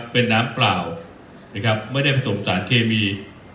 เป็นน้ำเปล่านะครับไม่ได้ผสมสารเคมี